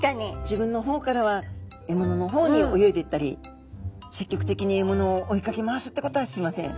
自分の方からは獲物の方に泳いでいったり積極的に獲物を追いかけ回すってことはしません。